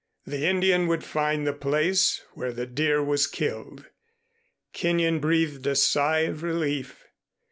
The Indian would find the place where the deer was killed. Kenyon breathed a sigh of relief.